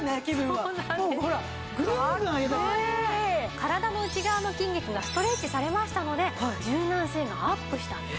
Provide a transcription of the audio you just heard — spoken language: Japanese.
体の内側の筋肉がストレッチされましたので柔軟性がアップしたんです。